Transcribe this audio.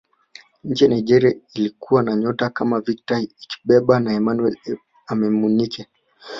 nchi ya nigeria ilikuwa na nyota kama victor ikpeba na emmanuel amunike